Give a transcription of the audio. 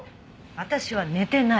私は寝てない。